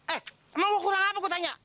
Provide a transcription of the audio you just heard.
eh emang lo kurang apa ku tanya